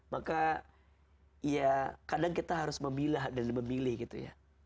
maka ya kadang kita harus memilah dan memilih gitu ya